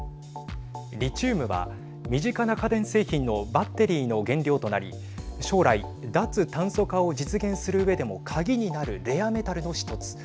リチウムは身近な家電製品のバッテリーの原料となり将来、脱炭素化を実現するうえでも鍵になるレアメタルの１つ。